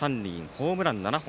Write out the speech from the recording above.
ホームラン７本。